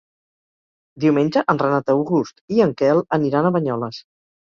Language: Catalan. Diumenge en Renat August i en Quel aniran a Banyoles.